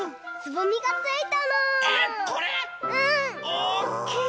おっきい！